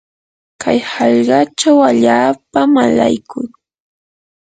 kay hallqachaw allaapam alaykun.